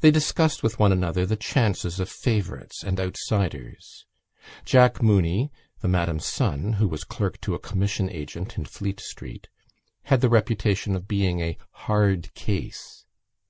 They discussed with one another the chances of favourites and outsiders. Jack Mooney, the Madam's son, who was clerk to a commission agent in Fleet Street, had the reputation of being a hard case.